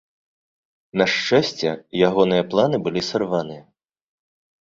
На шчасце, ягоныя планы былі сарваныя.